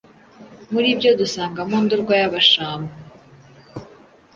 muri byo dusangamo Ndorwa y’Abashambo,